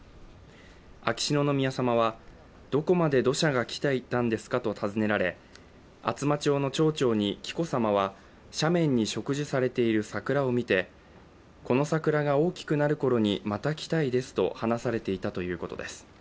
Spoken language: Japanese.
秋篠宮さまは、どこまで土砂が来ていたんですかと尋ねられ厚真町の町長に紀子さまは斜面に植樹されている桜を見て、この桜が大きくなった頃にまた来たいですと話されていたということです。